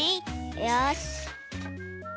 よし！